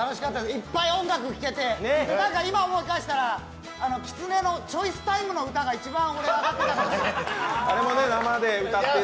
いっぱい音楽聴けて、何か今思い返したら、きつねのチョイスタイムの歌が一番、俺はアガってたかもしれない。